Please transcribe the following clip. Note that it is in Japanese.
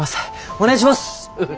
お願いします！